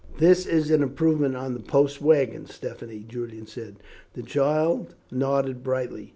"This is an improvement on the post waggons, Stephanie," Julian said. The child nodded brightly.